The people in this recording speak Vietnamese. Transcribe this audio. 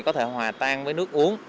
có thể hòa tan với nước uống